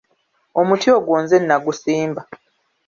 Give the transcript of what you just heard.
Omuti ogwo nze nnagusimba.